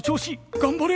頑張れ！